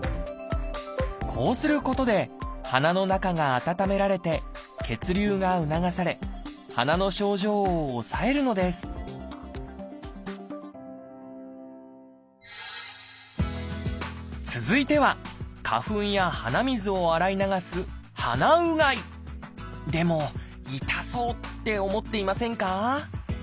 こうすることで鼻の中が温められて血流が促され鼻の症状を抑えるのです続いては花粉や鼻水を洗い流すでも痛そうって思っていませんか？